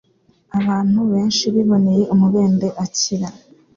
Abantu benshi biboncye umubembe akira,